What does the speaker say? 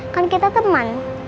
kan kita teman